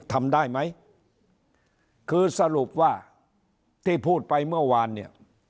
ทำได้ไหมคือสรุปว่าที่พูดไปเมื่อวานเนี่ย